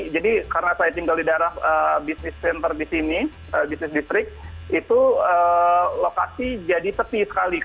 karena saya tinggal di daerah bisnis center di sini bisnis distrik itu lokasi jadi sepi sekali